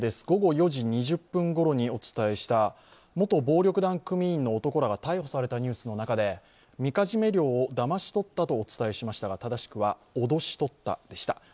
午後４時２０分ごろにお伝えした、元暴力団組員の男らが逮捕されたニュースの中で、みかじめ料をだまし取ったとお伝えしましたが、正しくは脅し取ったでした。